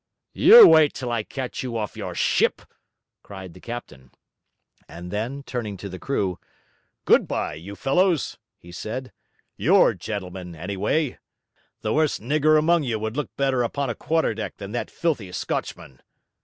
'You wait till I catch you off your ship!' cried the captain: and then, turning to the crew, 'Good bye, you fellows!' he said. 'You're gentlemen, anyway! The worst nigger among you would look better upon a quarter deck than that filthy Scotchman.'